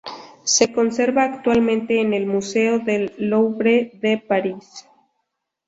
Se conserva actualmente en el Museo del Louvre de París.